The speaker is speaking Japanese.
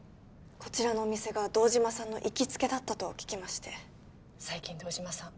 こちらのお店が堂島さんの行きつけだったと聞きまして最近堂島さん